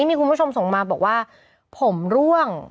มีคุณผู้ชมส่งมาบอกว่าผมร่วง